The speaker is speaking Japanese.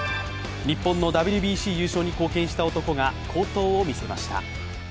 日本のＷＢＣ優勝に貢献した男が好投を見せました。